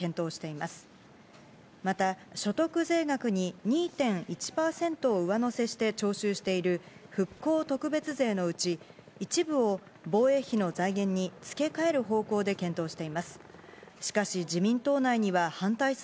また、所得税額に２．１％を上乗せして徴収している、復興特別税のうち、一部を防衛費の財源に付け替える方向で検討しています。